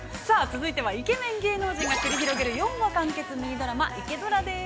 続いてはイケメン芸能人が繰り広げる、４話完結ミニドラマ、「イケドラ」です。